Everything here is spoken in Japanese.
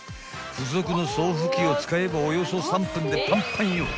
［付属の送風機を使えばおよそ３分でパンパンよ］